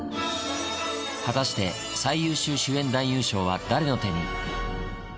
果たして、最優秀主演男優賞は誰の手に。